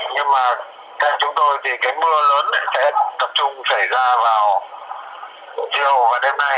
nhưng mà theo chúng tôi thì cái mưa lớn lại tập trung xảy ra vào chiều và đêm nay